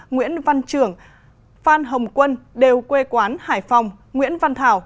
nguyễn văn trường phan hồng quân đều quê quán hải phòng nguyễn văn thảo